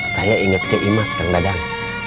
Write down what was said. saya ingat cik imas kak dadang